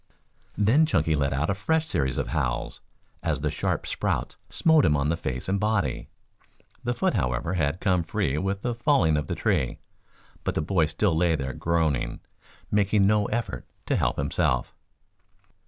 Then Chunky let out a fresh series of howls as the sharp sprouts smote him on the face and body. The foot, however, had come free with the falling of the tree, but the boy still lay there groaning, making no effort to help himself.